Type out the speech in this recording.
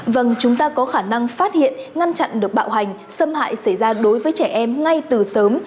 vâng chúng ta có khả năng phát hiện ngăn chặn được bạo hành xâm hại xảy ra đối với trẻ em ngay từ sớm